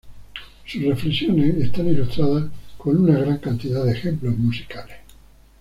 Sus reflexiones están ilustradas con una gran cantidad de ejemplos musicales.